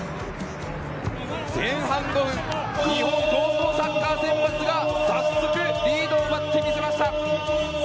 前半５分、日本高校サッカー選抜が早速リードを奪ってみせました。